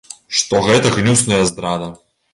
Што гэта гнюсная здрада.